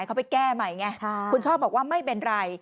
เขาไปแก้ใหม่ไงคุณช่อบอกว่าไม่เป็นไร